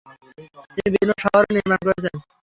তিনি বিভিন্ন শহরও নির্মাণ করেছেন।